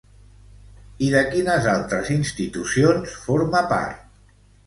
I de quines altres institucions forma part?